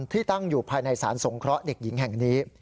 ตั้งอยู่ภายในสารสงเคราะห์เด็กหญิงแห่งนี้